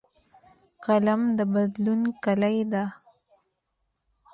قلم د بدلون کلۍ ده